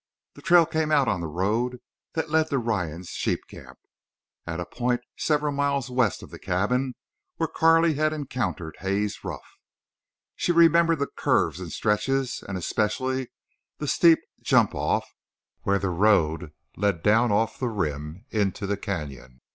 The trail came out on the road that led to Ryan's sheep camp, at a point several miles west of the cabin where Carley had encountered Haze Ruff. She remembered the curves and stretches, and especially the steep jump off where the road led down off the rim into the canyon.